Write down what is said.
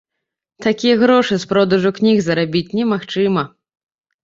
Такія грошы з продажу кніг зарабіць немагчыма.